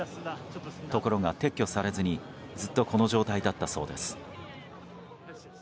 ところが、撤去されずにずっとこの状態だったそうです。